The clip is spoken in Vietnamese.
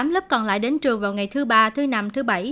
tám lớp còn lại đến trường vào ngày thứ ba thứ năm thứ bảy